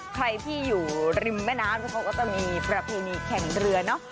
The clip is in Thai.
ใครที่อยู่ริมแม่น้ำเขาก็จะมีประเพณีแข่งเรือเนอะ